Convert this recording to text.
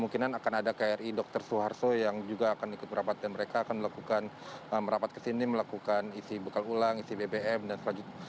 kita akan melakukan merapat ke sini melakukan isi bekal ulang isi bbm dan selanjutnya